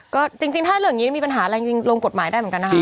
ก็จริงถ้าเรื่องนี้มีปัญหาอะไรจริงลงกฎหมายได้เหมือนกันนะคะ